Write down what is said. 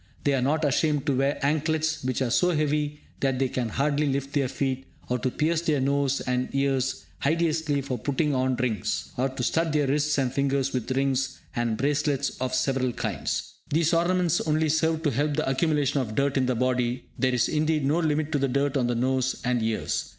They are not ashamed to wear anklets which are so heavy that they can hardly lift their feet, or to pierce their nose and ears hideously for putting on rings, or to stud their wrists and fingers with rings and bracelets of several kinds. These ornaments only serve to help the accumulation of dirt in the body; there is indeed no limit to the dirt on the nose and ears.